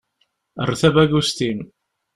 Err tabagust-im.